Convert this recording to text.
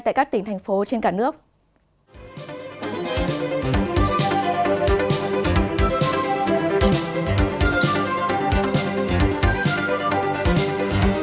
tại các tỉnh thành phố trên cả nước